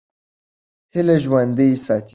هیله ژوندۍ ساتئ.